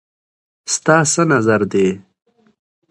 ستا څه نظر دی